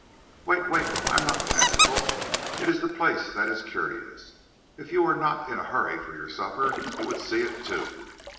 "Wait, wait! I am not fanciful, it is the place that is curious. If you were not in a hurry for your supper you would see it too.